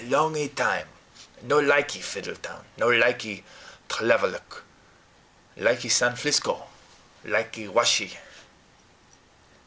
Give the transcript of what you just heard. "Longee time. No likee Fiddletown, no likee Tlevelick. Likee San Flisco. Likee washee.